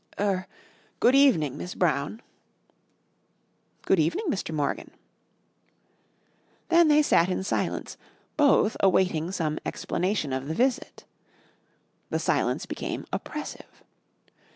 "Er good evening, Miss Brown." "Good evening, Mr. Morgan." Then they sat in silence, both awaiting some explanation of the visit. The silence became oppressive.